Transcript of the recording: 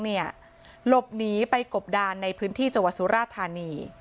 หลบหนีไปกบดานในพื้นที่จังหวัดสุราธานี